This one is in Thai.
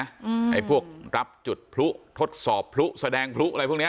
ไอ้พวกรับจุดพลุทดสอบพลุแสดงพลุอะไรพวกนี้